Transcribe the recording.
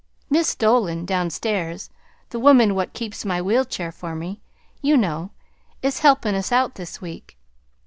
"Mis' Dolan down stairs the woman what keeps my wheel chair for me, you know is helpin' us out this week.